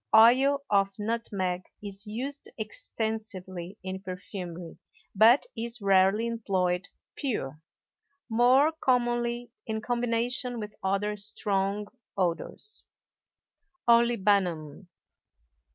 Oil of nutmeg is used extensively in perfumery, but is rarely employed pure, more commonly in combination with other strong odors. OLIBANUM.